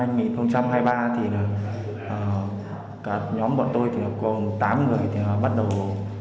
nhóm bọn tôi có tám người bắt đầu thực hiện hành vi lừa đảo